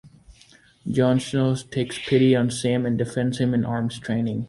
Jon Snow takes pity on Sam and defends him in arms training.